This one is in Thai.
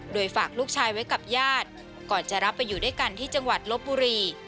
โดยฝากลูกชายไว้กับญาติก่อนจะรับไปอยู่ด้วยกันที่จังหวัดลบบุรี